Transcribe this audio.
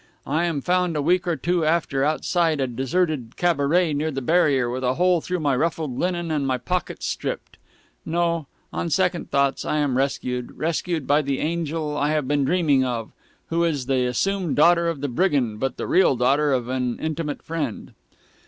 I am found a week or two after outside a deserted cabaret near the barrier, with a hole through my ruffled linen and my pockets stripped. No; on second thoughts, I am rescued rescued by the angel I have been dreaming of, who is the assumed daughter of the brigand but the real daughter of an intimate friend.